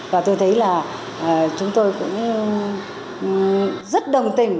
và tôi thấy là chúng tôi cũng rất đồng tình